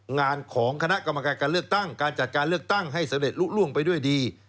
งานของคณะกรรมการการเลือกตั้งการจัดการเลือกตั้งให้สำเร็จลุล่วงไปด้วยดี